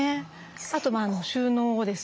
あと収納ですね。